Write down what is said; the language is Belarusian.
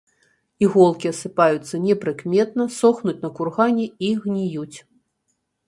Іголкі асыпаюцца непрыкметна, сохнуць на кургане і гніюць.